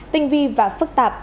tinh vi và phức tạp